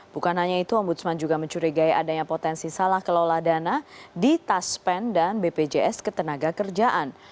bukan hanya itu ombudsman juga mencurigai adanya potensi salah kelola dana di taspen dan bpjs ketenaga kerjaan